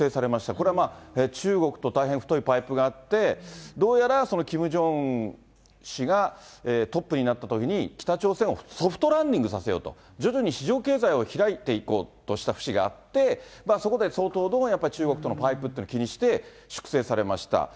これは中国と大変、太いパイプがあって、どうやらそのキム・ジョンウン氏がトップになったときに、北朝鮮をソフトランディングさせようと、徐々に市場経済を開いていこうとした節があって、そこで相当、中国とのパイプっていうのを気にして、粛清されました。